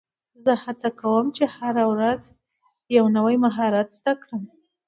زه هڅه کوم، چي هره ورځ یو نوی مهارت زده کړم.